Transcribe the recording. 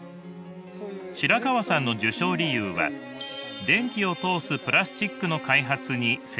白川さんの受賞理由は電気を通すプラスチックの開発に成功したから。